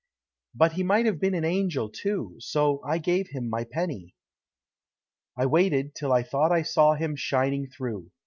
But he might have been an Angel, too. So I gave him my penny. I waited, till I thought I saw Him shining through.